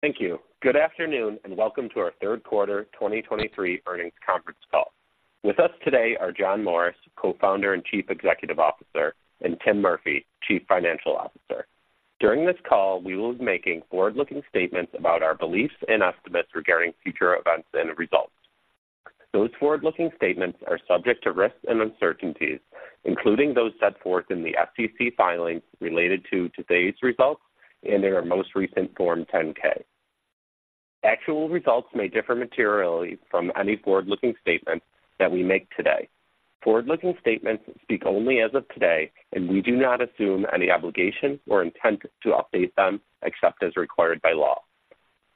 Thank you. Good afternoon, and welcome to our third quarter 2023 earnings conference call. With us today are John Morris, Co-founder and Chief Executive Officer, and Tim Murphy, Chief Financial Officer. During this call, we will be making forward-looking statements about our beliefs and estimates regarding future events and results. Those forward-looking statements are subject to risks and uncertainties, including those set forth in the SEC filings related to today's results and in our most recent Form 10-K. Actual results may differ materially from any forward-looking statements that we make today. Forward-looking statements speak only as of today, and we do not assume any obligation or intent to update them except as required by law.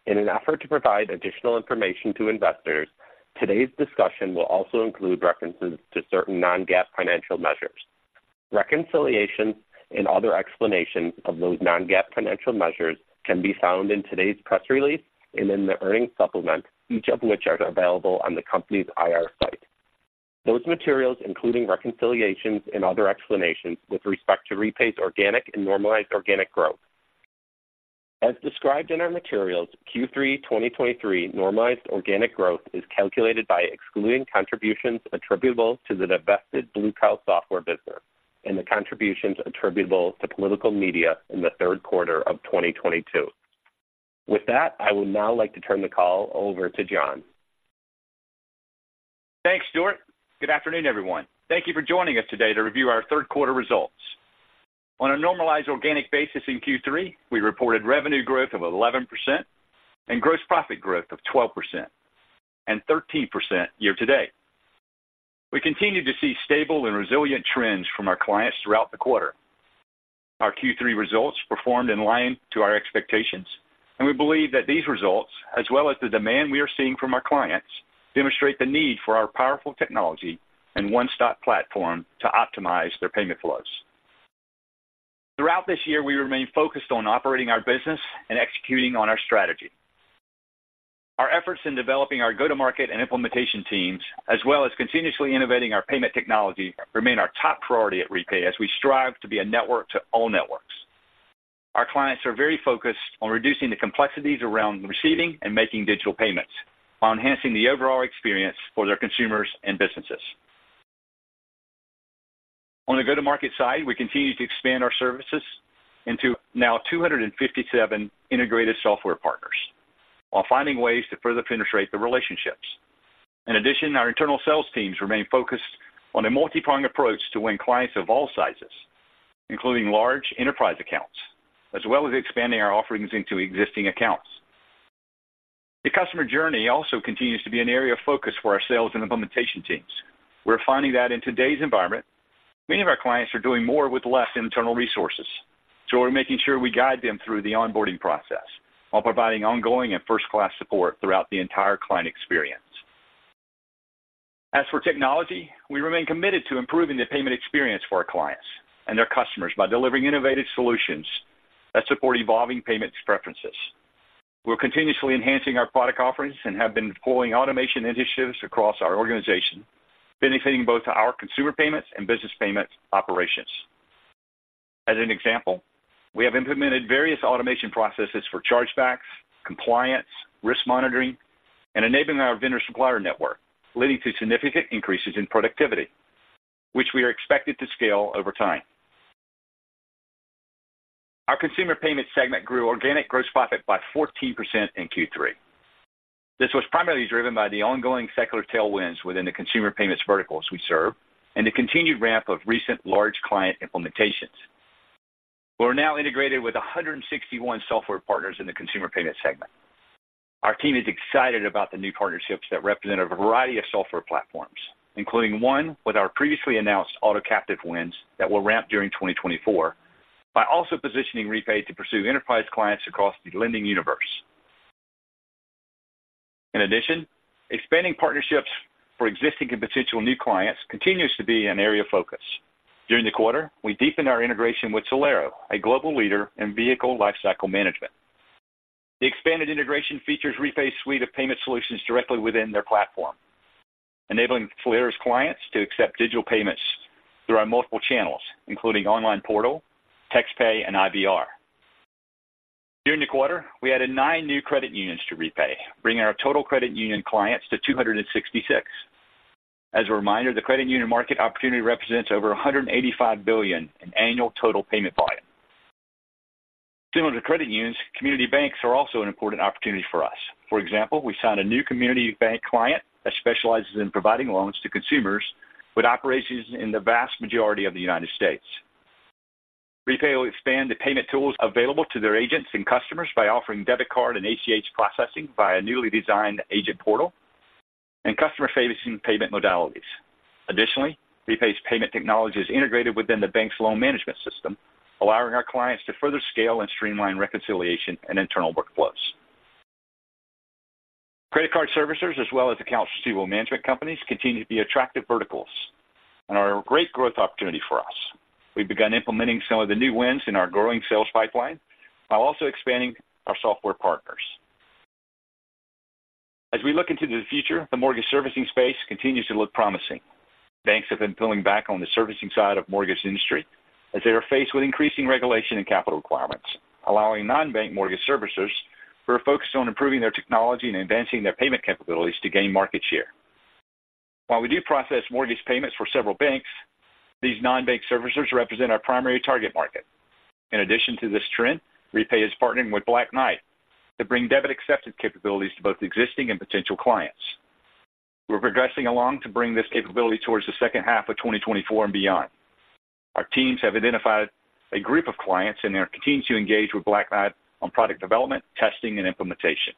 In an effort to provide additional information to investors, today's discussion will also include references to certain non-GAAP financial measures. Reconciliations and other explanations of those non-GAAP financial measures can be found in today's press release and in the earnings supplement, each of which are available on the company's IR site. Those materials, including reconciliations and other explanations with respect to REPAY's organic and normalized organic growth. As described in our materials, Q3 2023 normalized organic growth is calculated by excluding contributions attributable to the divested BlueCow software business and the contributions attributable to political media in the third quarter of 2022. With that, I would now like to turn the call over to John. Thanks, Stewart. Good afternoon, everyone. Thank you for joining us today to review our third quarter results. On a normalized organic basis in Q3, we reported revenue growth of 11% and gross profit growth of 12% and 13% year to date. We continued to see stable and resilient trends from our clients throughout the quarter. Our Q3 results performed in line to our expectations, and we believe that these results, as well as the demand we are seeing from our clients, demonstrate the need for our powerful technology and one-stop platform to optimize their payment flows. Throughout this year, we remain focused on operating our business and executing on our strategy. Our efforts in developing our go-to-market and implementation teams, as well as continuously innovating our payment technology, remain our top priority at Repay as we strive to be a network to all networks. Our clients are very focused on reducing the complexities around receiving and making digital payments, while enhancing the overall experience for their consumers and businesses. On the go-to-market side, we continue to expand our services into now 257 integrated software partners, while finding ways to further penetrate the relationships. In addition, our internal sales teams remain focused on a multipronged approach to win clients of all sizes, including large enterprise accounts, as well as expanding our offerings into existing accounts. The customer journey also continues to be an area of focus for our sales and implementation teams. We're finding that in today's environment, many of our clients are doing more with less internal resources, so we're making sure we guide them through the onboarding process while providing ongoing and first-class support throughout the entire client experience. As for technology, we remain committed to improving the payment experience for our clients and their customers by delivering innovative solutions that support evolving payment preferences. We're continuously enhancing our product offerings and have been deploying automation initiatives across our organization, benefiting both our consumer payments and business payments operations. As an example, we have implemented various automation processes for chargebacks, compliance, risk monitoring, and enabling our vendor supplier network, leading to significant increases in productivity, which we are expected to scale over time. Our consumer payments segment grew organic gross profit by 14% in Q3. This was primarily driven by the ongoing secular tailwinds within the consumer payments verticals we serve and the continued ramp of recent large client implementations. We're now integrated with 161 software partners in the consumer payment segment. Our team is excited about the new partnerships that represent a variety of software platforms, including one with our previously announced auto captive wins that will ramp during 2024, by also positioning REPAY to pursue enterprise clients across the lending universe. In addition, expanding partnerships for existing and potential new clients continues to be an area of focus. During the quarter, we deepened our integration with Solera, a global leader in vehicle lifecycle management. The expanded integration features REPAY's suite of payment solutions directly within their platform, enabling Solera's clients to accept digital payments through our multiple channels, including online portal, TextPay, and IVR. During the quarter, we added nine new credit unions to REPAY, bringing our total credit union clients to 266. As a reminder, the credit union market opportunity represents over $185 billion in annual total payment volume. Similar to credit unions, community banks are also an important opportunity for us. For example, we signed a new community bank client that specializes in providing loans to consumers with operations in the vast majority of the United States. REPAY will expand the payment tools available to their agents and customers by offering debit card and ACH processing via a newly designed agent portal and customer-facing payment modalities. Additionally, REPAY's payment technology is integrated within the bank's loan management system, allowing our clients to further scale and streamline reconciliation and internal workflows. Credit card servicers, as well as accounts receivable management companies, continue to be attractive verticals and are a great growth opportunity for us. We've begun implementing some of the new wins in our growing sales pipeline while also expanding our software partners. As we look into the future, the mortgage servicing space continues to look promising. Banks have been pulling back on the servicing side of mortgage industry as they are faced with increasing regulation and capital requirements, allowing non-bank mortgage servicers who are focused on improving their technology and advancing their payment capabilities to gain market share. While we do process mortgage payments for several banks, these non-bank servicers represent our primary target market. In addition to this trend, REPAY is partnering with Black Knight to bring debit acceptance capabilities to both existing and potential clients. We're progressing along to bring this capability towards the second half of 2024 and beyond. Our teams have identified a group of clients, and they're continuing to engage with Black Knight on product development, testing, and implementation.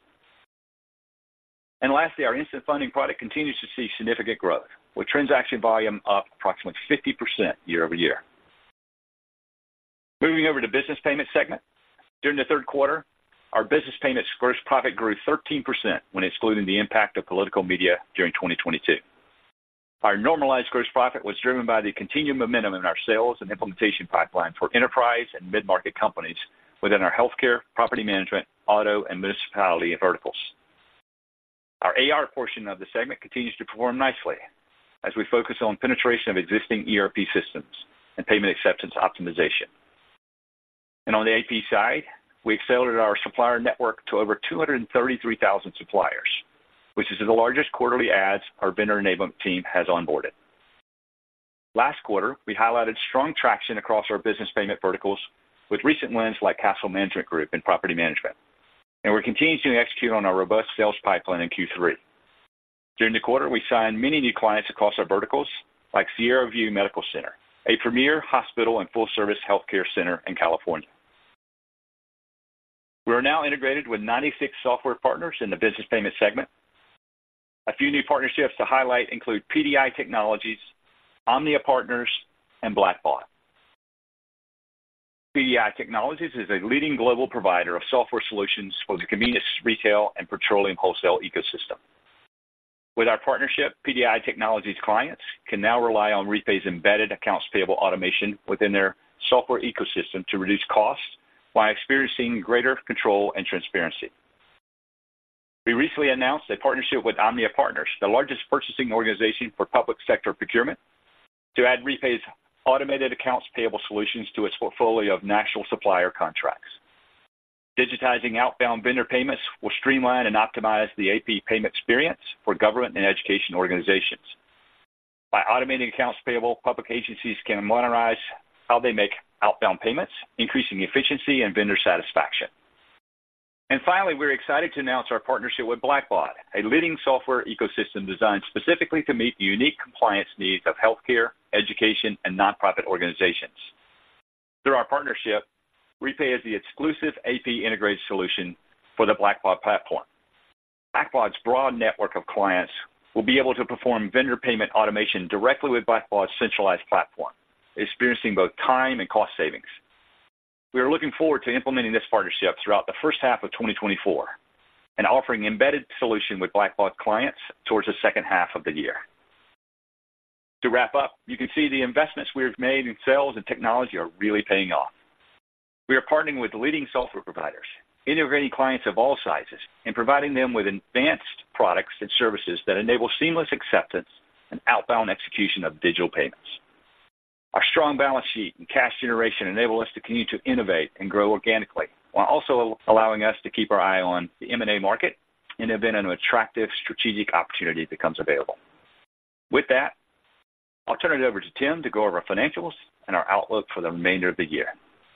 Lastly, our instant funding product continues to see significant growth, with transaction volume up approximately 50% year-over-year. Moving over to business payments segment. During the third quarter, our business payments gross profit grew 13% when excluding the impact of political media during 2022. Our normalized gross profit was driven by the continued momentum in our sales and implementation pipeline for enterprise and mid-market companies within our healthcare, property management, auto, and municipality verticals. Our AR portion of the segment continues to perform nicely as we focus on penetration of existing ERP systems and payment acceptance optimization. And on the AP side, we expanded our supplier network to over 233,000 suppliers, which is the largest quarterly adds our vendor enablement team has onboarded. Last quarter, we highlighted strong traction across our business payment verticals with recent wins like Castle Management Group and Property Management, and we're continuing to execute on our robust sales pipeline in Q3. During the quarter, we signed many new clients across our verticals, like Sierra View Medical Center, a premier hospital and full-service healthcare center in California. We are now integrated with 96 software partners in the business payments segment. A few new partnerships to highlight include PDI Technologies, OMNIA Partners, and Black Knight. PDI Technologies is a leading global provider of software solutions for the convenience, retail, and petroleum wholesale ecosystem. With our partnership, PDI Technologies clients can now rely on REPAY's embedded accounts payable automation within their software ecosystem to reduce costs while experiencing greater control and transparency. We recently announced a partnership with OMNIA Partners, the largest purchasing organization for public sector procurement, to add REPAY's automated accounts payable solutions to its portfolio of national supplier contracts. Digitizing outbound vendor payments will streamline and optimize the AP payment experience for government and education organizations. By automating accounts payable, public agencies can modernize how they make outbound payments, increasing efficiency and vendor satisfaction. Finally, we're excited to announce our partnership with Blackbaud, a leading software ecosystem designed specifically to meet the unique compliance needs of healthcare, education, and nonprofit organizations. Through our partnership, REPAY is the exclusive AP integrated solution for the Blackbaud platform. Blackbaud's broad network of clients will be able to perform vendor payment automation directly with Blackbaud's centralized platform, experiencing both time and cost savings. We are looking forward to implementing this partnership throughout the first half of 2024 and offering embedded solution with Blackbaud clients towards the second half of the year. To wrap up, you can see the investments we have made in sales and technology are really paying off. We are partnering with leading software providers, integrating clients of all sizes, and providing them with advanced products and services that enable seamless acceptance and outbound execution of digital payments. Our strong balance sheet and cash generation enable us to continue to innovate and grow organically, while also allowing us to keep our eye on the M&A market and have been an attractive strategic opportunity becomes available. With that, I'll turn it over to Tim to go over our financials and our outlook for the remainder of the year.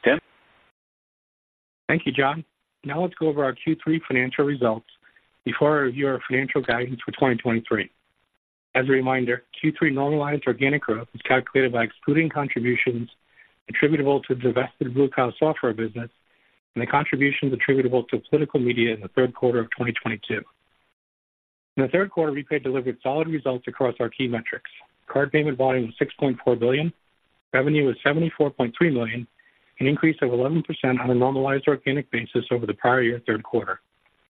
Tim? Thank you, John. Now let's go over our Q3 financial results before I review our financial guidance for 2023. As a reminder, Q3 normalized organic growth is calculated by excluding contributions attributable to the divested BlueCow software business and the contributions attributable to political media in the third quarter of 2022. In the third quarter, REPAY delivered solid results across our key metrics. Card payment volume was $6.4 billion, revenue was $74.3 million, an increase of 11% on a normalized organic basis over the prior year third quarter.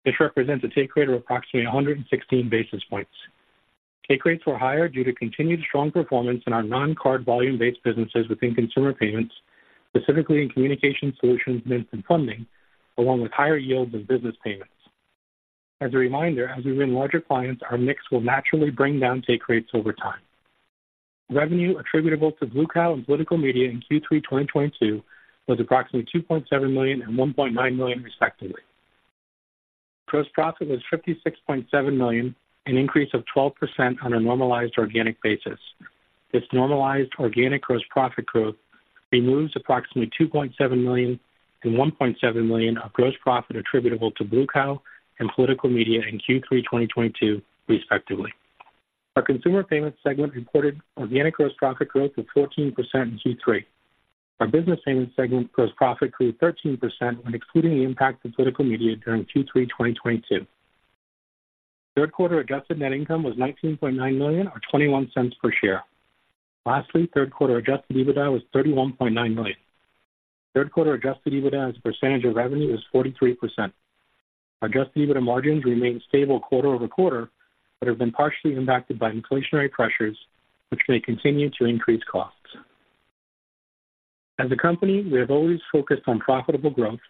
This represents a take rate of approximately 116 basis points. Take rates were higher due to continued strong performance in our non-card volume-based businesses within consumer payments, specifically in communication solutions, instant funding, along with higher yields and business payments. As a reminder, as we win larger clients, our mix will naturally bring down take rates over time. Revenue attributable to BlueCow and political media in Q3 2022 was approximately $2.7 million and $1.9 million, respectively. Gross profit was $56.7 million, an increase of 12% on a normalized organic basis. This normalized organic gross profit growth removes approximately $2.7 million and $1.7 million of gross profit attributable to BlueCow and political media in Q3 2022, respectively. Our consumer payments segment reported organic gross profit growth of 14% in Q3. Our business payments segment gross profit grew 13% when excluding the impact of political media during Q3 2022. Third quarter adjusted net income was $19.9 million or $0.21 per share. Lastly, third quarter adjusted EBITDA was $31.9 million. Third quarter Adjusted EBITDA as a percentage of revenue is 43%. Adjusted EBITDA margins remain stable quarter-over-quarter, but have been partially impacted by inflationary pressures, which may continue to increase costs. As a company, we have always focused on profitable growth,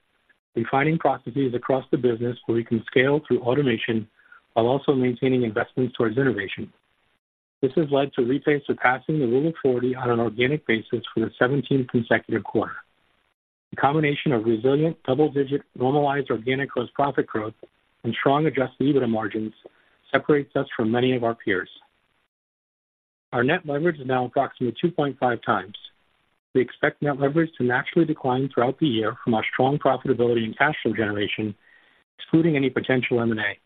refining processes across the business where we can scale through automation while also maintaining investments towards innovation. This has led to REPAY surpassing the Rule of Forty on an organic basis for the seventeenth consecutive quarter. A combination of resilient double-digit normalized organic gross profit growth and strong Adjusted EBITDA margins separates us from many of our peers. Our Net Leverage is now approximately 2.5 times. We expect Net Leverage to naturally decline throughout the year from our strong profitability and cash flow generation, excluding any potential M&A.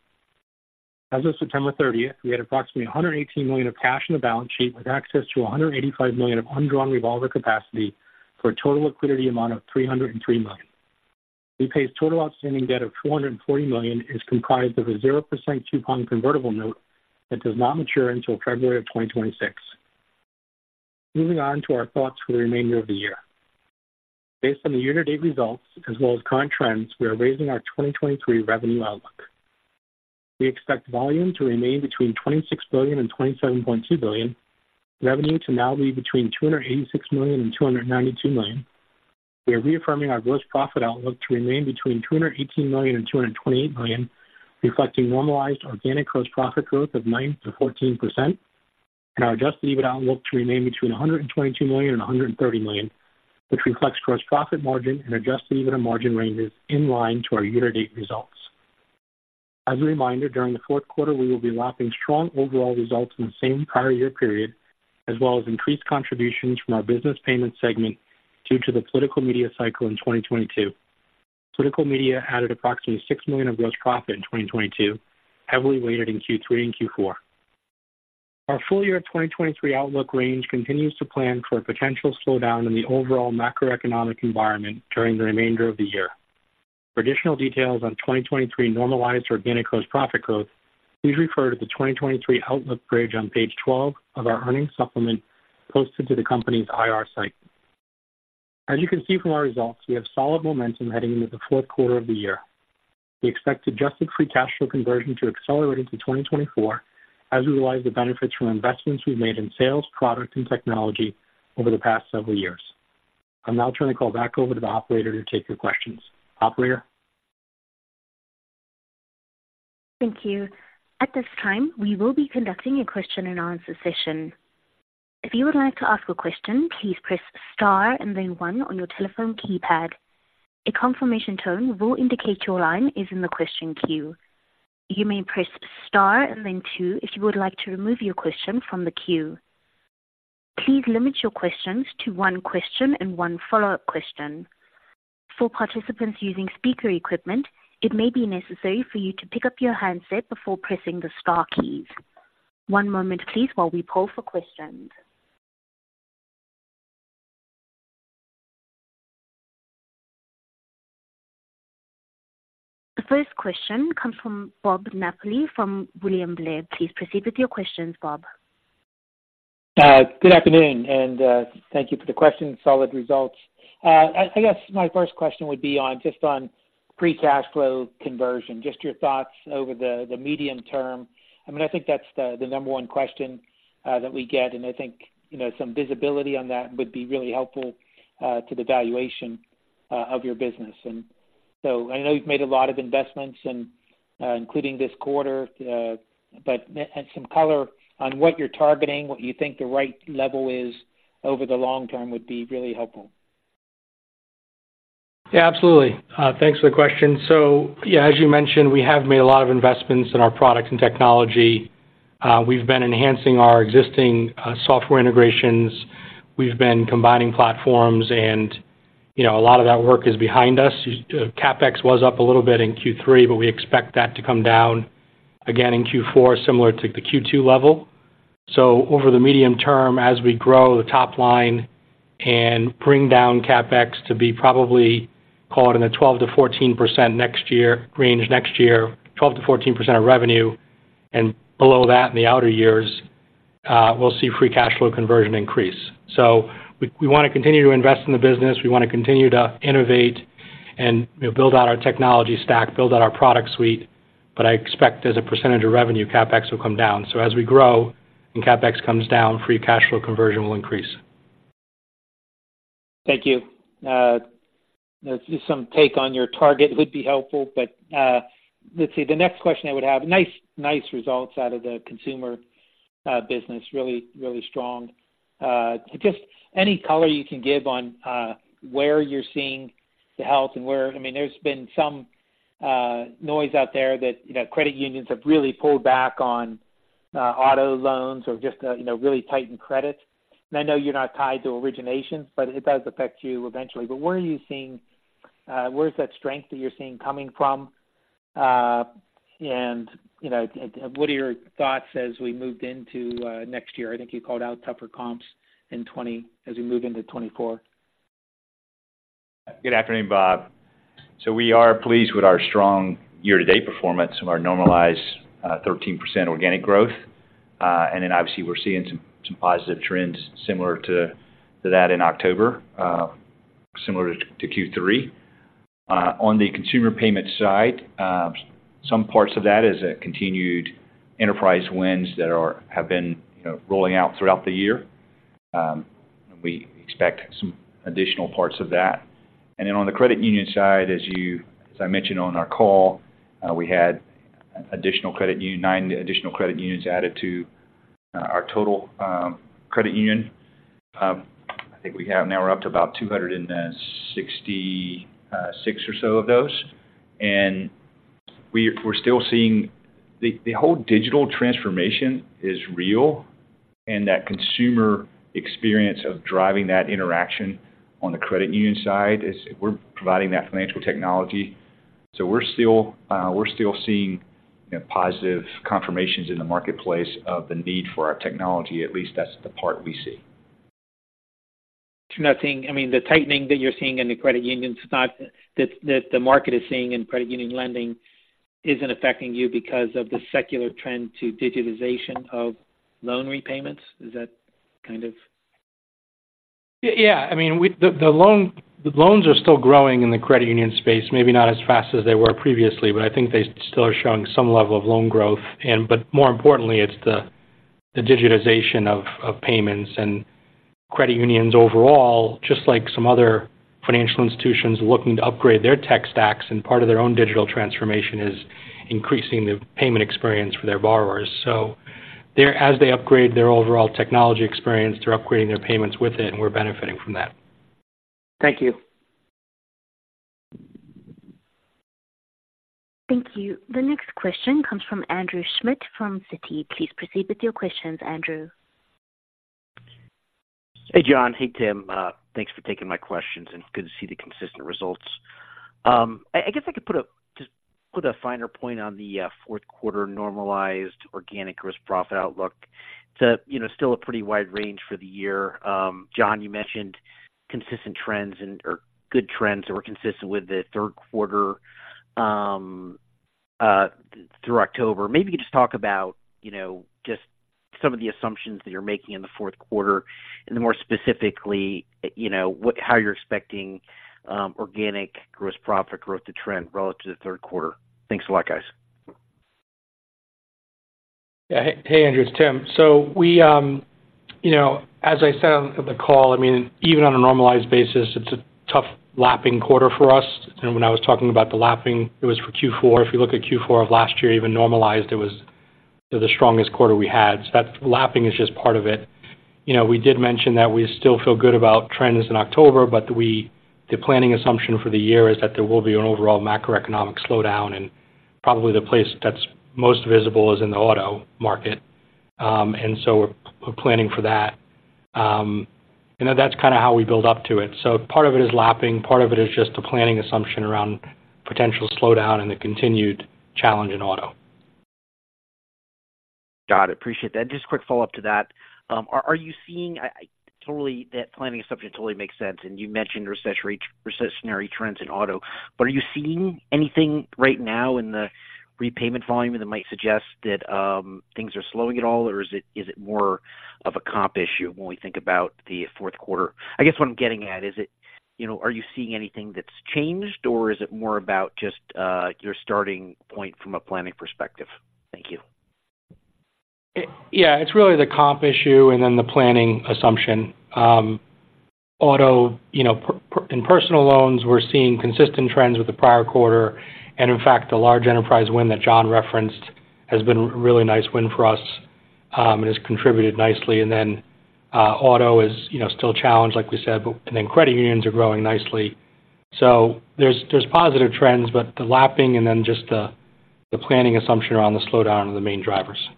As of September 30th, we had approximately $118 million of cash on the balance sheet, with access to $185 million of undrawn revolver capacity, for a total liquidity amount of $303 million. REPAY's total outstanding debt of $440 million is comprised of a 0% coupon convertible note that does not mature until February of 2026. Moving on to our thoughts for the remainder of the year. Based on the year-to-date results as well as current trends, we are raising our 2023 revenue outlook. We expect volume to remain between $26 billion and $27.2 billion, revenue to now be between $286 million and $292 million. We are reaffirming our gross profit outlook to remain between $218 million and $228 million, reflecting normalized organic gross profit growth of 9%-14%, and our adjusted EBITDA outlook to remain between $122 million and $130 million, which reflects gross profit margin and adjusted EBITDA margin ranges in line to our year-to-date results. As a reminder, during the fourth quarter, we will be lapping strong overall results in the same prior year period, as well as increased contributions from our business payments segment due to the political media cycle in 2022. Political media added approximately $6 million of gross profit in 2022, heavily weighted in Q3 and Q4. Our full year 2023 outlook range continues to plan for a potential slowdown in the overall macroeconomic environment during the remainder of the year. For additional details on 2023 normalized organic gross profit growth, please refer to the 2023 outlook bridge on page 12 of our earnings supplement posted to the company's IR site. As you can see from our results, we have solid momentum heading into the fourth quarter of the year. We expect adjusted free cash flow conversion to accelerate into 2024 as we realize the benefits from investments we've made in sales, product, and technology over the past several years. I'll now turn the call back over to the operator to take your questions. Operator? Thank you. At this time, we will be conducting a question-and-answer session. If you would like to ask a question, please press star and then one on your telephone keypad. A confirmation tone will indicate your line is in the question queue. You may press star and then two if you would like to remove your question from the queue. Please limit your questions to one question and one follow-up question. For participants using speaker equipment, it may be necessary for you to pick up your handset before pressing the star keys. One moment, please, while we poll for questions. The first question comes from Bob Napoli from William Blair. Please proceed with your questions, Bob. Good afternoon, and thank you for the question. Solid results. I guess my first question would be on just on free cash flow conversion, just your thoughts over the medium term. I mean, I think that's the number one question that we get, and I think, you know, some visibility on that would be really helpful to the valuation of your business. So I know you've made a lot of investments and including this quarter, but some color on what you're targeting, what you think the right level is over the long term would be really helpful. Yeah, absolutely. Thanks for the question. So, yeah, as you mentioned, we have made a lot of investments in our product and technology. We've been enhancing our existing, software integrations. We've been combining platforms, and, you know, a lot of that work is behind us. CapEx was up a little bit in Q3, but we expect that to come down again in Q4, similar to the Q2 level. So over the medium term, as we grow the top line and bring down CapEx to be probably caught in a 12%-14% next year, range next year, 12%-14% of revenue, and below that in the outer years, we'll see free cash flow conversion increase. So we, we wanna continue to invest in the business. We wanna continue to innovate and, you know, build out our technology stack, build out our product suite. But I expect as a percentage of revenue, CapEx will come down. So as we grow and CapEx comes down, free cash flow conversion will increase. Thank you. Just some take on your target would be helpful, but, let's see, the next question I would have. Nice, nice results out of the consumer business. Really, really strong. Just any color you can give on where you're seeing the health and where-- I mean, there's been some noise out there that, you know, credit unions have really pulled back on auto loans or just, you know, really tightened credit. And I know you're not tied to originations, but it does affect you eventually. But where are you seeing, where's that strength that you're seeing coming from? And, you know, what are your thoughts as we moved into next year? I think you called out tougher comps as we move into 2024. Good afternoon, Bob. So we are pleased with our strong year-to-date performance from our normalized 13% organic growth. And then obviously, we're seeing some positive trends similar to that in October, similar to Q3. On the consumer payment side, some parts of that is a continued enterprise wins that have been, you know, rolling out throughout the year. We expect some additional parts of that. And then on the credit union side, as I mentioned on our call, we had nine additional credit unions added to our total credit union. I think we're now up to about 266 or so of those. And we're still seeing... The whole digital transformation is real, and that consumer experience of driving that interaction on the credit union side is we're providing that financial technology. So we're still seeing, you know, positive confirmations in the marketplace of the need for our technology. At least that's the part we see. So nothing, I mean, the tightening that you're seeing in the credit unions, it's not that that the market is seeing in credit union lending isn't affecting you because of the secular trend to digitization of loan repayments? Is that kind of- Yeah, I mean, the loans are still growing in the credit union space, maybe not as fast as they were previously, but I think they still are showing some level of loan growth. More importantly, it's the digitization of payments and credit unions overall, just like some other financial institutions looking to upgrade their tech stacks, and part of their own digital transformation is increasing the payment experience for their borrowers. So, as they upgrade their overall technology experience, they're upgrading their payments with it, and we're benefiting from that. Thank you. Thank you. The next question comes from Andrew Schmidt from Citi. Please proceed with your questions, Andrew. Hey, John. Hey, Tim. Thanks for taking my questions, and it's good to see the consistent results. I guess I could just put a finer point on the fourth quarter normalized organic gross profit outlook. You know, still a pretty wide range for the year. John, you mentioned consistent trends and or good trends that were consistent with the third quarter through October. Maybe you could just talk about, you know, just some of the assumptions that you're making in the fourth quarter, and more specifically, you know, what, how you're expecting organic gross profit growth to trend relative to the third quarter. Thanks a lot, guys. Yeah. Hey, Andrew, it's Tim. So we, you know, as I said on the call, I mean, even on a normalized basis, it's a tough lapping quarter for us. And when I was talking about the lapping, it was for Q4. If you look at Q4 of last year, even normalized, it was the strongest quarter we had. So that lapping is just part of it. You know, we did mention that we still feel good about trends in October, but the planning assumption for the year is that there will be an overall macroeconomic slowdown, and probably the place that's most visible is in the auto market. And so we're, we're planning for that. And that's kind of how we build up to it. So part of it is lapping, part of it is just the planning assumption around potential slowdown and the continued challenge in auto. Got it. Appreciate that. Just a quick follow-up to that. Are you seeing... I totally, that planning assumption totally makes sense, and you mentioned recessionary trends in auto. But are you seeing anything right now in the repayment volume that might suggest that things are slowing at all, or is it more of a comp issue when we think about the fourth quarter? I guess what I'm getting at, is it... You know, are you seeing anything that's changed, or is it more about just your starting point from a planning perspective? Thank you. Yeah, it's really the comp issue and then the planning assumption. Auto, you know, in personal loans, we're seeing consistent trends with the prior quarter, and in fact, the large enterprise win that John referenced has been a really nice win for us, and has contributed nicely. And then, auto is, you know, still a challenge, like we said, but and then credit unions are growing nicely. So there's, there's positive trends, but the lapping and then just the, the planning assumption around the slowdown are the main drivers.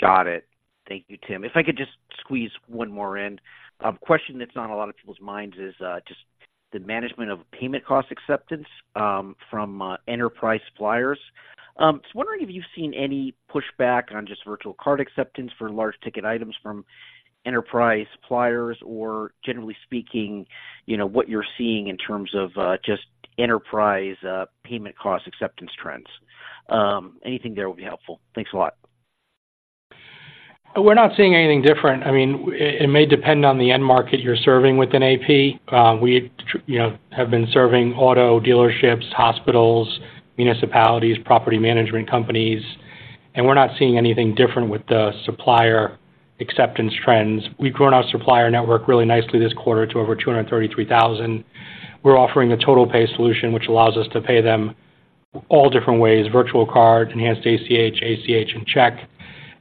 Got it. Thank you, Tim. If I could just squeeze one more in. A question that's on a lot of people's minds is, just the management of payment cost acceptance, from enterprise suppliers. So wondering if you've seen any pushback on just virtual card acceptance for large ticket items from enterprise suppliers, or generally speaking, you know, what you're seeing in terms of, just enterprise payment cost acceptance trends. Anything there will be helpful. Thanks a lot. We're not seeing anything different. I mean, it may depend on the end market you're serving within AP. We, you know, have been serving auto dealerships, hospitals, municipalities, property management companies, and we're not seeing anything different with the supplier acceptance trends. We've grown our supplier network really nicely this quarter to over 233,000. We're offering a total pay solution, which allows us to pay them all different ways: virtual card, enhanced ACH, ACH, and check.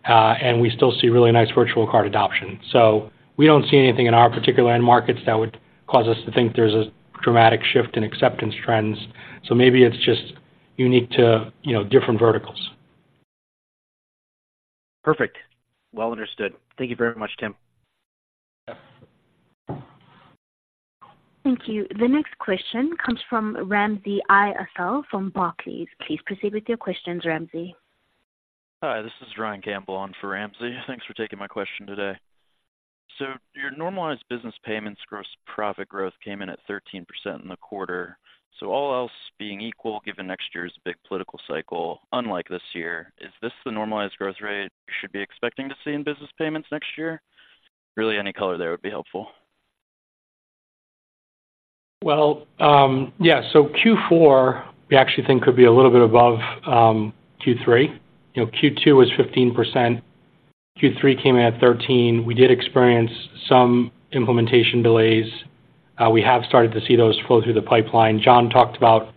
And we still see really nice virtual card adoption. So we don't see anything in our particular end markets that would cause us to think there's a dramatic shift in acceptance trends. So maybe it's just unique to, you know, different verticals. Perfect. Well understood. Thank you very much, Tim. Yeah. Thank you. The next question comes from Ramsey El-Assal from Barclays. Please proceed with your questions, Ramsey. Hi, this is Ryan Campbell on for Ramsey. Thanks for taking my question today. So your normalized business payments gross profit growth came in at 13% in the quarter. So all else being equal, given next year's big political cycle, unlike this year, is this the normalized growth rate you should be expecting to see in business payments next year? Really any color there would be helpful. Well, yeah, so Q4, we actually think could be a little bit above Q3. You know, Q2 was 15%, Q3 came in at 13. We did experience some implementation delays. We have started to see those flow through the pipeline. John talked about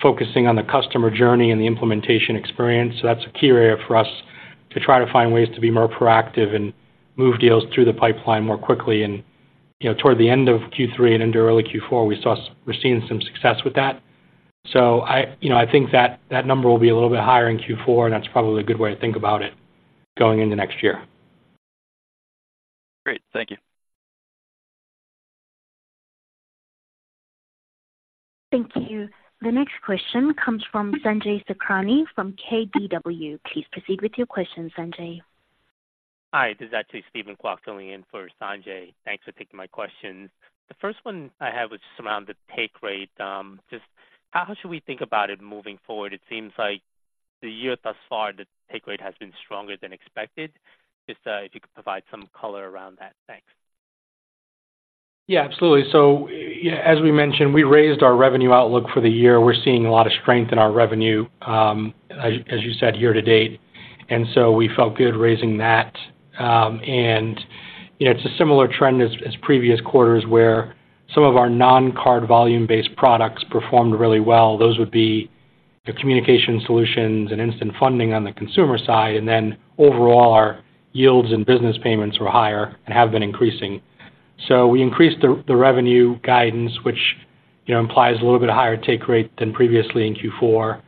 focusing on the customer journey and the implementation experience. So that's a key area for us to try to find ways to be more proactive and move deals through the pipeline more quickly. And, you know, toward the end of Q3 and into early Q4, we saw, we're seeing some success with that. So I, you know, I think that, that number will be a little bit higher in Q4, and that's probably a good way to think about it going into next year. Great. Thank you. Thank you. The next question comes from Sanjay Sakhrani from KBW. Please proceed with your question, Sanjay. Hi, this is actually Steven Kwok filling in for Sanjay. Thanks for taking my questions. The first one I have was just around the take rate. Just how should we think about it moving forward? It seems like the year thus far, the take rate has been stronger than expected. Just, if you could provide some color around that. Thanks. Yeah, absolutely. So, as we mentioned, we raised our revenue outlook for the year. We're seeing a lot of strength in our revenue, as you said, year to date, and so we felt good raising that. And, you know, it's a similar trend as previous quarters, where some of our non-card volume-based products performed really well. Those would be the communication solutions and instant funding on the consumer side, and then overall, our yields and business payments were higher and have been increasing. So we increased the revenue guidance, which, you know, implies a little bit higher take rate than previously in Q4.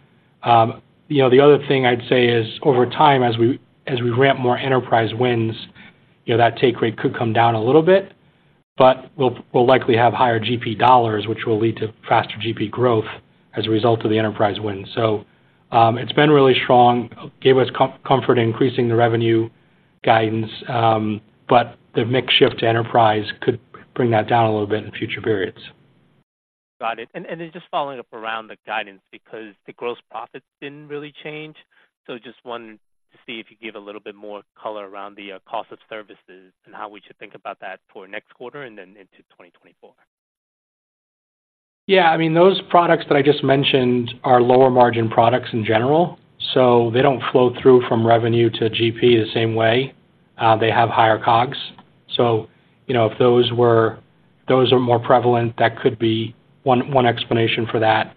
You know, the other thing I'd say is, over time, as we ramp more enterprise wins, you know, that take rate could come down a little bit, but we'll likely have higher GP dollars, which will lead to faster GP growth as a result of the enterprise wins. So, it's been really strong, gave us comfort in increasing the revenue guidance, but the mix shift to enterprise could bring that down a little bit in future periods. Got it. And then just following up around the guidance, because the gross profits didn't really change. So just wanted to see if you could give a little bit more color around the cost of services and how we should think about that for next quarter and then into 2024. Yeah, I mean, those products that I just mentioned are lower-margin products in general, so they don't flow through from revenue to GP the same way. They have higher COGS. So, you know, if those were—those are more prevalent, that could be one, one explanation for that.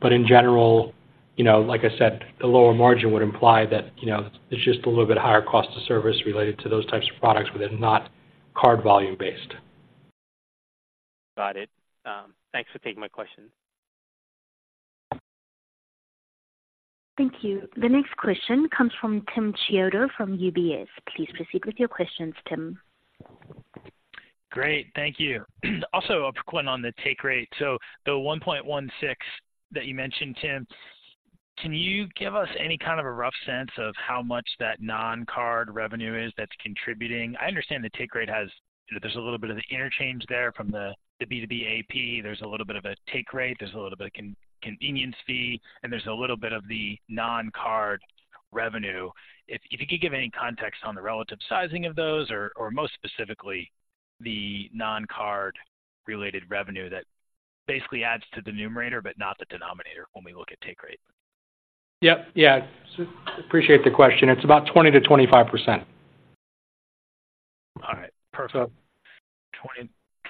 But in general, you know, like I said, the lower margin would imply that, you know, it's just a little bit higher cost to service related to those types of products that are not card volume-based. Got it. Thanks for taking my question. Thank you. The next question comes from Timothy Chiodo from UBS. Please proceed with your questions, Tim. Great, thank you. Also, a quick one on the take rate. So the 1.16 that you mentioned, Tim, can you give us any kind of a rough sense of how much that non-card revenue is that's contributing? I understand the take rate has, there's a little bit of the interchange there from the B2B AP. There's a little bit of a take rate, there's a little bit of convenience fee, and there's a little bit of the non-card revenue. If you could give any context on the relative sizing of those, or most specifically, the non-card related revenue that basically adds to the numerator but not the denominator when we look at take rate. Yep. Yeah. Appreciate the question. It's about 20%-25%. All right. Perfect.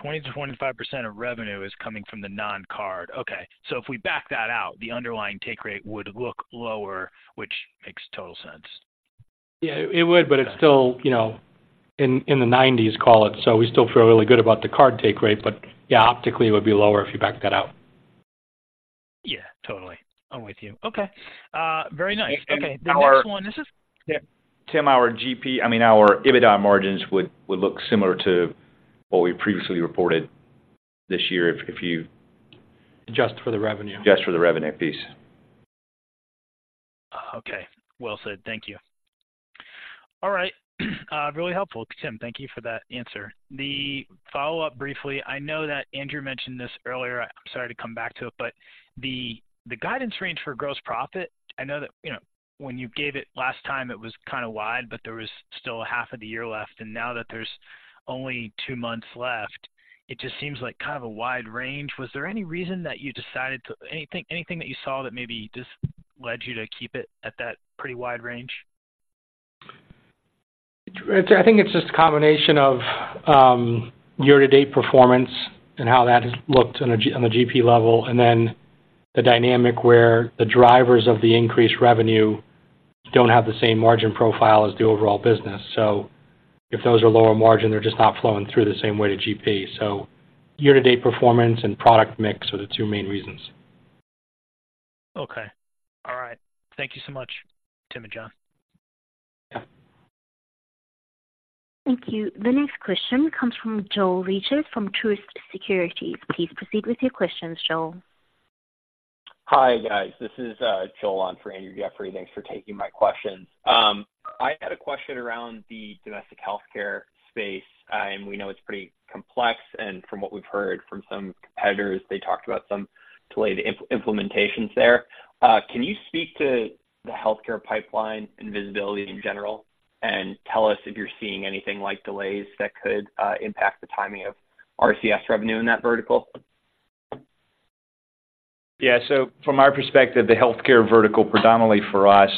20%-25% of revenue is coming from the non-card. Okay. So if we back that out, the underlying take rate would look lower, which makes total sense. Yeah, it would, but it's still, you know, in the 90s, call it. So we still feel really good about the card take rate, but yeah, optically it would be lower if you backed that out. Yeah, totally. I'm with you. Okay, very nice. Okay, the next one, this is- Tim, our GP—I mean, our EBITDA margins would look similar to what we previously reported this year if you- Adjust for the revenue. Adjust for the revenue piece. Okay, well said. Thank you. All right, really helpful, Tim. Thank you for that answer. The follow-up briefly, I know that Andrew mentioned this earlier. I'm sorry to come back to it, but the, the guidance range for gross profit, I know that, you know, when you gave it last time, it was kind of wide, but there was still a half of the year left, and now that there's only two months left, it just seems like kind of a wide range. Was there any reason that you decided to—anything, anything that you saw that maybe just led you to keep it at that pretty wide range? I think it's just a combination of year-to-date performance and how that has looked on the GP level, and then the dynamic where the drivers of the increased revenue don't have the same margin profile as the overall business. So if those are lower margin, they're just not flowing through the same way to GP. So year-to-date performance and product mix are the two main reasons. Okay. All right. Thank you so much, Tim and John. Yeah. Thank you. The next question comes from Jorel Regis from Truist Securities. Please proceed with your questions, Joel. Hi, guys. This is Joel on for Andrew Jeffrey. Thanks for taking my questions. I had a question around the domestic healthcare space, and we know it's pretty complex, and from what we've heard from some competitors, they talked about some delayed implementations there. Can you speak to the healthcare pipeline and visibility in general, and tell us if you're seeing anything like delays that could impact the timing of RCS revenue in that vertical? Yeah, so from our perspective, the healthcare vertical, predominantly for us,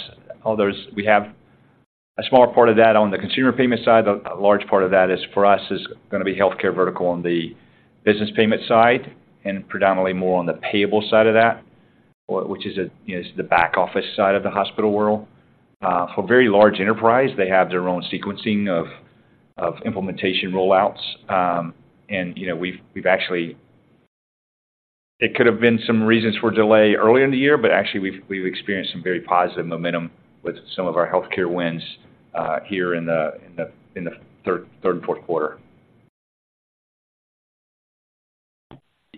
although we have a smaller part of that on the consumer payment side, a large part of that is for us, is gonna be healthcare vertical on the business payment side, and predominantly more on the payable side of that, which is the back office side of the hospital world. For very large enterprise, they have their own sequencing of implementation rollouts. And, you know, we've actually. It could have been some reasons for delay early in the year, but actually, we've experienced some very positive momentum with some of our healthcare wins here in the third and fourth quarter.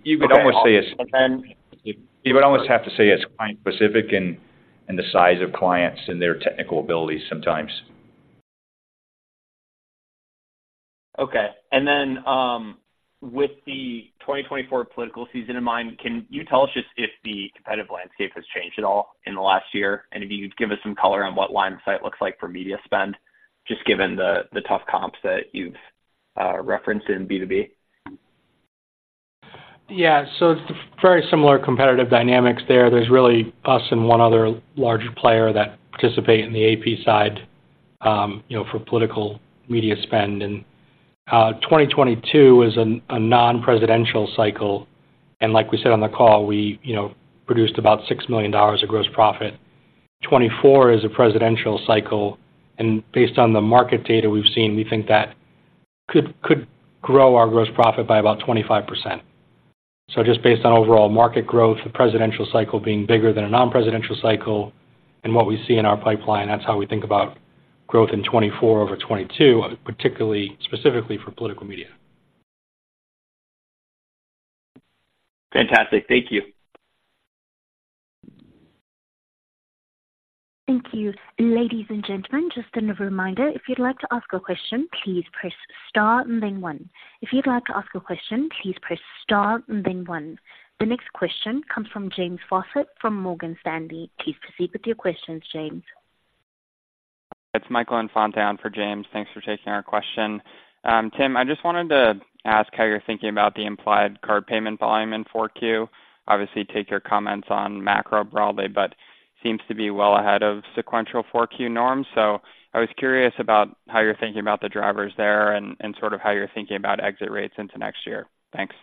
You would almost have to say it's client-specific and the size of clients and their technical abilities sometimes. Okay. And then, with the 2024 political season in mind, can you tell us just if the competitive landscape has changed at all in the last year? And if you could give us some color on what line of sight looks like for media spend, just given the tough comps that you've referenced in B2B. Yeah, so it's very similar competitive dynamics there. There's really us and one other larger player that participate in the AP side, you know, for political media spend. And, 2022 is a non-presidential cycle, and like we said on the call, we, you know, produced about $6 million of gross profit. 2024 is a presidential cycle, and based on the market data we've seen, we think that could grow our gross profit by about 25%. So just based on overall market growth, the presidential cycle being bigger than a non-presidential cycle, and what we see in our pipeline, that's how we think about growth in 2024 over 2022, particularly specifically for political media. Fantastic. Thank you. Thank you. Ladies and gentlemen, just a reminder, if you'd like to ask a question, please press star and then one. If you'd like to ask a question, please press star and then one. The next question comes from James Faucett from Morgan Stanley. Please proceed with your questions, James. It's Michael Infante on for James. Thanks for taking our question. Tim, I just wanted to ask how you're thinking about the implied card payment volume in four Q. Obviously, take your comments on macro broadly, but seems to be well ahead of sequential four Q norms. So I was curious about how you're thinking about the drivers there and, and sort of how you're thinking about exit rates into next year. Thanks.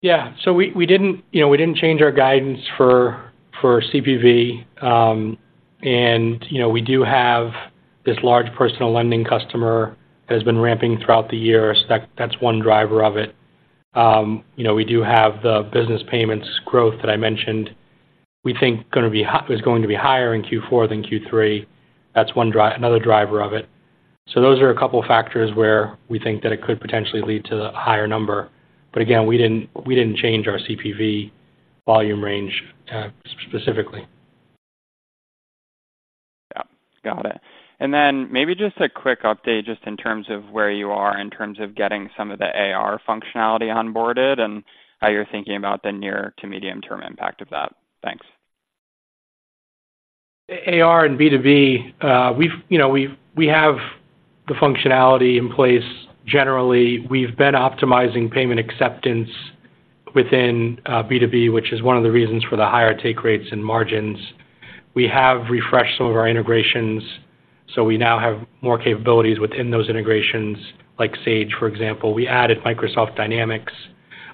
Yeah, so we didn't, you know, we didn't change our guidance for CPV. And, you know, we do have this large personal lending customer that has been ramping throughout the year. So that's one driver of it. You know, we do have the business payments growth that I mentioned. We think is going to be higher in Q4 than Q3. That's another driver of it. So those are a couple of factors where we think that it could potentially lead to a higher number. But again, we didn't change our CPV volume range, specifically. Yeah. Got it. And then maybe just a quick update, just in terms of where you are in terms of getting some of the AR functionality onboarded, and how you're thinking about the near- to medium-term impact of that. Thanks. AR and B2B, we've, you know, we have the functionality in place. Generally, we've been optimizing payment acceptance within B2B, which is one of the reasons for the higher take rates and margins. We have refreshed some of our integrations, so we now have more capabilities within those integrations, like Sage, for example. We added Microsoft Dynamics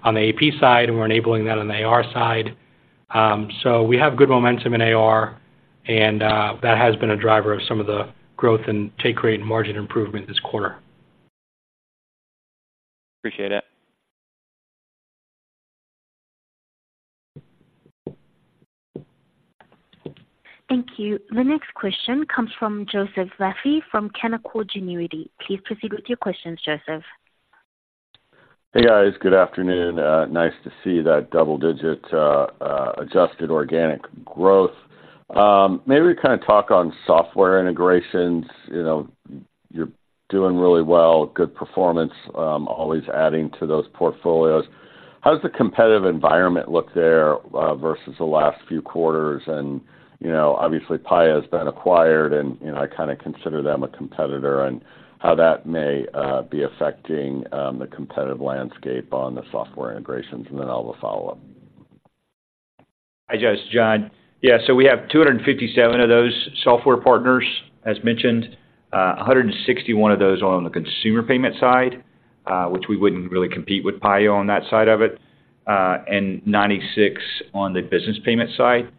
on the AP side, and we're enabling that on the AR side. So we have good momentum in AR, and that has been a driver of some of the growth and take rate and margin improvement this quarter. Appreciate it. Thank you. The next question comes from Joseph Vafi from Canaccord Genuity. Please proceed with your questions, Joseph. Hey, guys. Good afternoon. Nice to see that double-digit adjusted organic growth. Maybe kind of talk on software integrations. You know, you're doing really well, good performance, always adding to those portfolios. How does the competitive environment look there versus the last few quarters? And, you know, obviously, Paya has been acquired, and, you know, I kinda consider them a competitor, and how that may be affecting the competitive landscape on the software integrations, and then I'll follow up. Hi, Joe, it's John. Yeah, so we have 257 of those software partners, as mentioned. A hundred and sixty one of those are on the consumer payment side, which we wouldn't really compete with Paya on that side of it, and 96 on the business payment side.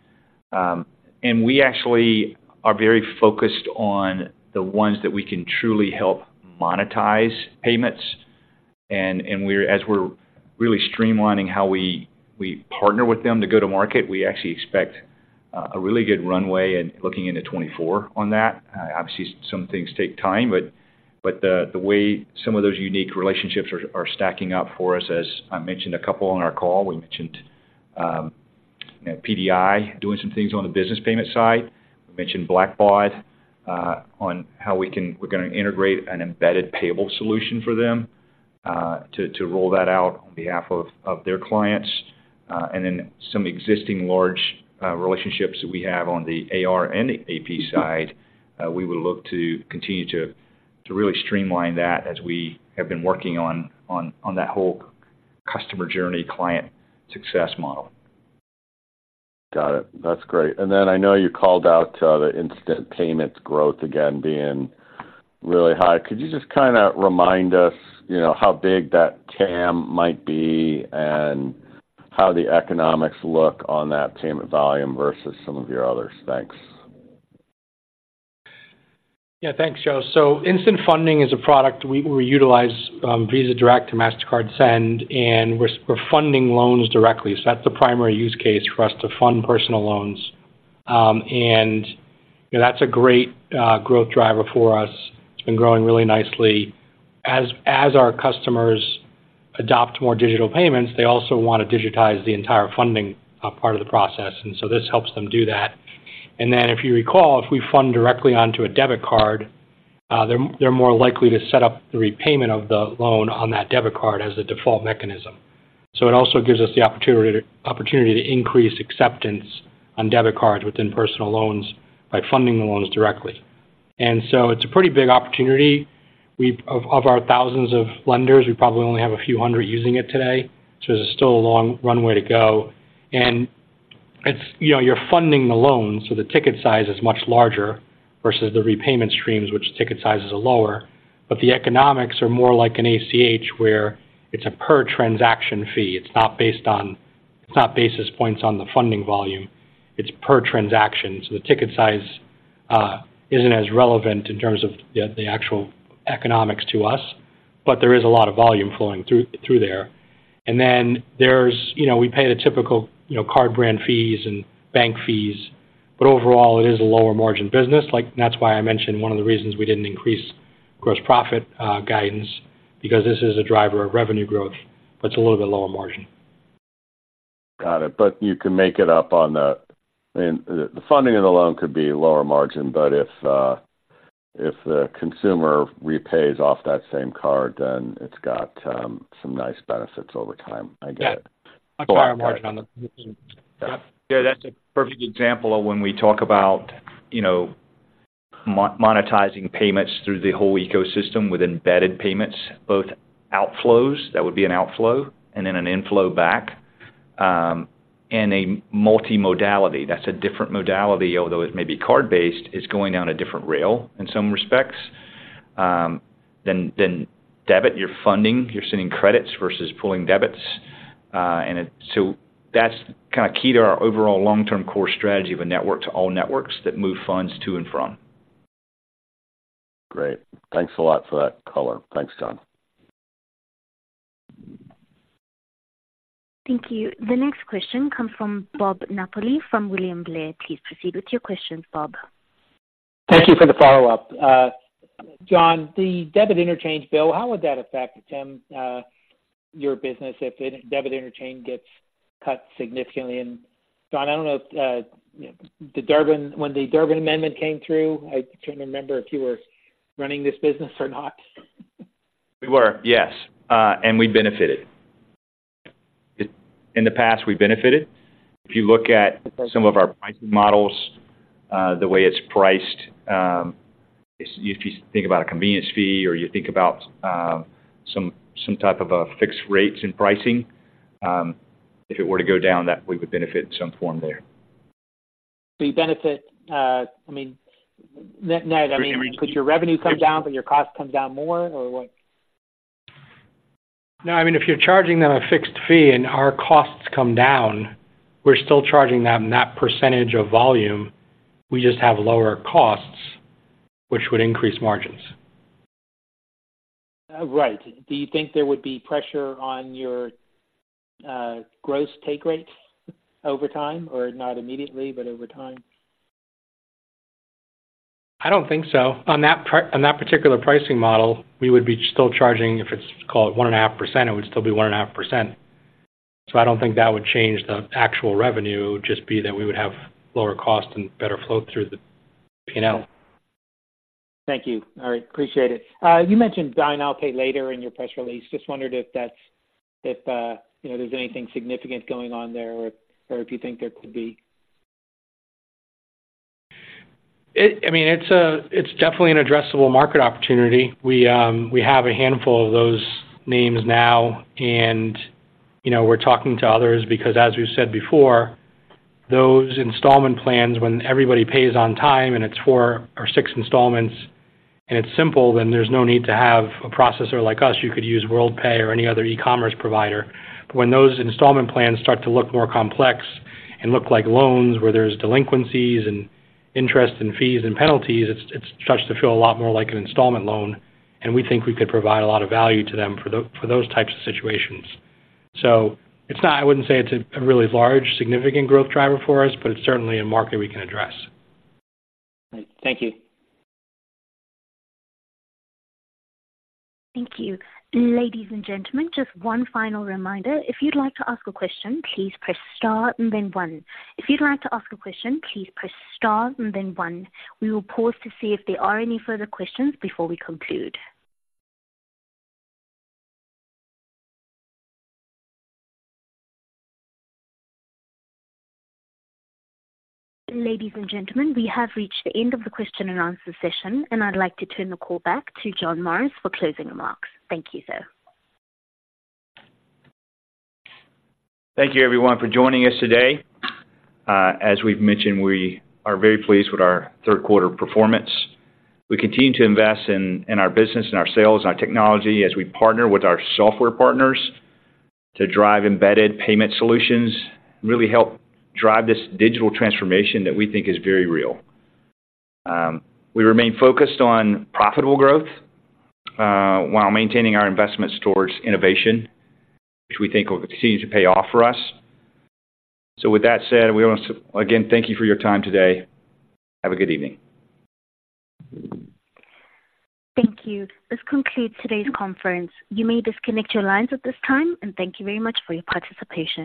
And we actually are very focused on the ones that we can truly help monetize payments. And we're as we're really streamlining how we partner with them to go to market, we actually expect a really good runway in looking into 2024 on that. Obviously, some things take time, but the way some of those unique relationships are stacking up for us, as I mentioned, a couple on our call. We mentioned PDI doing some things on the business payment side. We mentioned Blackbaud on how we can we're gonna integrate an embedded payable solution for them to roll that out on behalf of their clients. and then some existing large relationships that we have on the AR and AP side, we will look to continue to really streamline that as we have been working on that whole customer journey client success model. Got it. That's great. And then I know you called out the instant payments growth again being really high. Could you just kind of remind us, you know, how big that TAM might be and how the economics look on that payment volume versus some of your others? Thanks. Yeah, thanks, Joe. So instant funding is a product we utilize Visa Direct and Mastercard Send, and we're funding loans directly. So that's the primary use case for us to fund personal loans. And, you know, that's a great growth driver for us. It's been growing really nicely. As our customers adopt more digital payments, they also want to digitize the entire funding part of the process, and so this helps them do that. And then, if you recall, if we fund directly onto a debit card, they're more likely to set up the repayment of the loan on that debit card as a default mechanism. So it also gives us the opportunity to increase acceptance on debit cards within personal loans by funding the loans directly. And so it's a pretty big opportunity. We've of our thousands of lenders, we probably only have a few hundred using it today, so there's still a long runway to go. And it's, you know, you're funding the loan, so the ticket size is much larger versus the repayment streams, which ticket sizes are lower. But the economics are more like an ACH, where it's a per transaction fee. It's not based on—it's not basis points on the funding volume, it's per transaction. So the ticket size isn't as relevant in terms of the actual economics to us, but there is a lot of volume flowing through there. And then there's, you know, we pay the typical, you know, card brand fees and bank fees, but overall, it is a lower margin business. Like, that's why I mentioned one of the reasons we didn't increase gross profit guidance, because this is a driver of revenue growth, but it's a little bit lower margin. Got it. But you can make it up on the... I mean, the funding of the loan could be lower margin, but if, if the consumer repays off that same card, then it's got some nice benefits over time. I get it. Yeah. Much higher margin on the- Yeah, that's a perfect example of when we talk about, you know, monetizing payments through the whole ecosystem with embedded payments, both outflows, that would be an outflow, and then an inflow back, and a multimodality. That's a different modality. Although it may be card-based, it's going down a different rail in some respects, than debit. You're funding, you're sending credits versus pulling debits, and it-- So that's kind of key to our overall long-term core strategy of a network to all networks that move funds to and from. Great. Thanks a lot for that color. Thanks, John. Thank you. The next question comes from Bob Napoli from William Blair. Please proceed with your questions, Bob. Thank you for the follow-up. John, the Debit Interchange bill, how would that affect your business if the Debit Interchange gets cut significantly? And John, I don't know if you know the Durbin Amendment, when the Durbin Amendment came through, I can't remember if you were running this business or not. We were, yes, and we benefited. In the past, we benefited. If you look at some of our pricing models, the way it's priced, if you think about a convenience fee or you think about, some type of a fixed rates in pricing, if it were to go down, that we would benefit in some form there. So you benefit. I mean, net, I mean, could your revenue come down, but your cost comes down more or what? No, I mean, if you're charging them a fixed fee and our costs come down, we're still charging them that percentage of volume. We just have lower costs, which would increase margins. Right. Do you think there would be pressure on your gross take rates over time, or not immediately, but over time? I don't think so. On that particular pricing model, we would be still charging, if it's, call it 1.5%, it would still be 1.5%. So I don't think that would change the actual revenue, just be that we would have lower cost and better flow through the P&L. Thank you. All right, appreciate it. You mentioned buy now, pay later in your press release. Just wondered if that's, if, you know, there's anything significant going on there or if, or if you think there could be. I mean, it's definitely an addressable market opportunity. We have a handful of those names now, and, you know, we're talking to others because as we've said before, those installment plans, when everybody pays on time and it's four or six installments and it's simple, then there's no need to have a processor like us. You could use Worldpay or any other e-commerce provider. But when those installment plans start to look more complex and look like loans, where there's delinquencies and interest and fees and penalties, it starts to feel a lot more like an installment loan, and we think we could provide a lot of value to them for those types of situations. So it's not. I wouldn't say it's a really large, significant growth driver for us, but it's certainly a market we can address. Thank you. Thank you. Ladies and gentlemen, just one final reminder. If you'd like to ask a question, please press star and then one. If you'd like to ask a question, please press star and then one. We will pause to see if there are any further questions before we conclude. Ladies and gentlemen, we have reached the end of the question and answer session, and I'd like to turn the call back to John Morris for closing remarks. Thank you, sir. Thank you, everyone, for joining us today. As we've mentioned, we are very pleased with our third quarter performance. We continue to invest in our business and our sales and our technology as we partner with our software partners to drive embedded payment solutions, really help drive this digital transformation that we think is very real. We remain focused on profitable growth, while maintaining our investments towards innovation, which we think will continue to pay off for us. So with that said, we want to again thank you for your time today. Have a good evening. Thank you. This concludes today's conference. You may disconnect your lines at this time, and thank you very much for your participation.